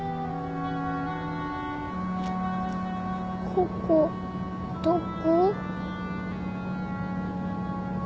ここどこ？